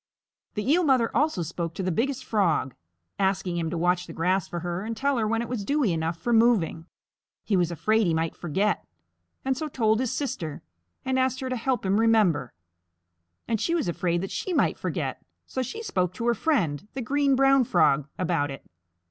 The Eel Mother also spoke to the Biggest Frog, asking him to watch the grass for her and tell her when it was dewy enough for moving. He was afraid he might forget it, and so told his sister and asked her to help him remember. And she was afraid that she might forget, so she spoke to her friend, the Green Brown Frog, about it.